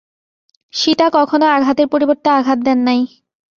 সীতা কখনও আঘাতের পরিবর্তে আঘাত দেন নাই।